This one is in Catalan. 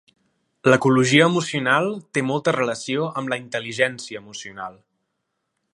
L'ecologia emocional té molta relació amb la Intel·ligència emocional.